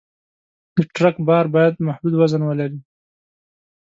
د ټرک بار باید محدود وزن ولري.